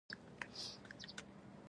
صحت مې ډېر ښه و، پښې مې هم ژر جوړې شوې.